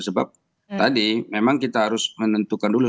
sebab tadi memang kita harus menentukan dulu